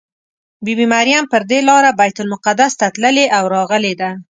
بي بي مریم پر دې لاره بیت المقدس ته تللې او راغلې ده.